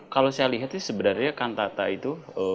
kalau saya lihat itu sebenarnya kantar taqwa itu